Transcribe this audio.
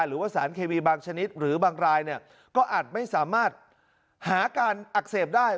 หรือว่าสารเคมีบางชนิดหรือบางรายเนี่ยก็อาจไม่สามารถหาการอักเสบได้